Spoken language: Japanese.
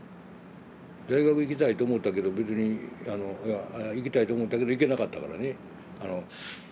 大学行きたいと思ったけど別にいや行きたいと思ったけど行けなかったからね。